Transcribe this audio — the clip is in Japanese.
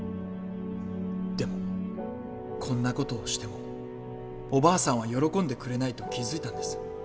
でもこんな事をしてもおばあさんは喜んでくれないと気付いたんです。